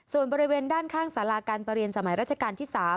ส่วนบริเวณด้านข้างสาราการประเรียนสมัยราชการที่๓